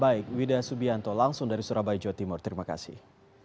baik wida subianto langsung dari surabaya jawa timur terima kasih